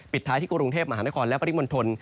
ท้ายที่กรุงเทพมหานครและปริมณฑล